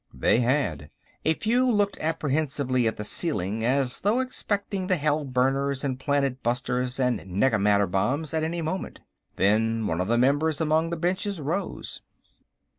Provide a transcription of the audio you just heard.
They had. A few looked apprehensively at the ceiling, as though expecting the hellburners and planet busters and nega matter bombs at any moment. Then one of the members among the benches rose.